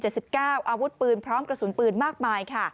อาวุธปืนพร้อมกระสุนปืนมากมายค่ะ